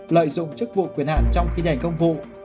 lợi dụng chức vụ quyền hạn trong khi hành công vụ